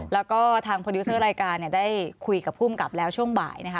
แล้วก็ทางโปรดิวเซอร์รายการได้คุยกับภูมิกับแล้วช่วงบ่ายนะคะ